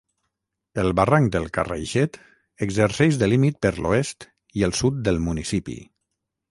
El barranc del Carraixet exerceix de límit per l'oest i el sud del municipi.